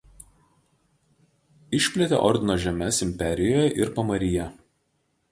Išplėtė ordino žemes imperijoje ir Pamaryje.